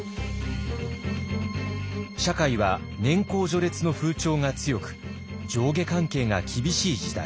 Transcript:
社会は年功序列の風潮が強く上下関係が厳しい時代。